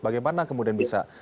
bagaimana kemudian bisa